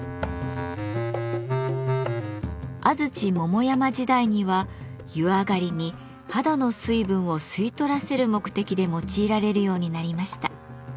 安土桃山時代には湯上がりに肌の水分を吸い取らせる目的で用いられるようになりました。